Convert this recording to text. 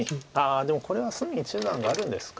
でもこれは隅に１眼があるんですか。